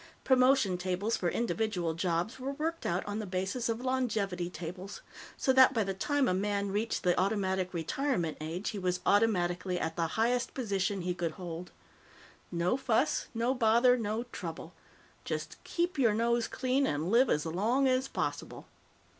Promotion tables for individual jobs were worked out on the basis of longevity tables, so that by the time a man reached the automatic retirement age he was automatically at the highest position he could hold. No fuss, no bother, no trouble. Just keep your nose clean and live as long as possible.